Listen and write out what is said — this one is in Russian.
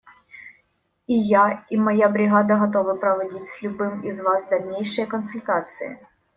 И я, и моя бригада готовы проводить с любым из вас дальнейшие консультации.